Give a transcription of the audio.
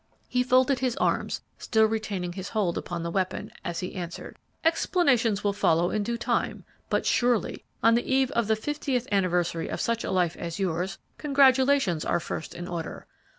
"He folded his arms, still retaining his hold upon the weapon, as he answered, 'Explanations will follow in due time; but surely, on the eve of the fiftieth anniversary of such a life as yours, congratulations are first in order.